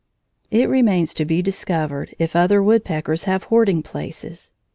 It remains to be discovered if other woodpeckers have hoarding places.